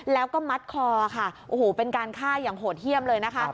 แล้วก็มัดคอค่ะโอ้โหเป็นการฆ่าอย่างโหดเยี่ยมเลยนะคะ